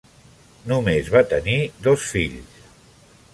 Només va tenir dos fills.